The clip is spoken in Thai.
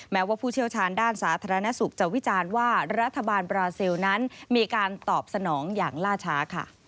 แม้ว่าผู้เชี่ยวชาญด้านสาธารณสุขจะวิจารณ์ว่ารัฐบาลบราเซลนั้นมีการตอบสนองอย่างล่าช้าค่ะ